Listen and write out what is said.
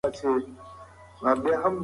هغه څوک چې علم زده کوي د رڼا لاره مومي.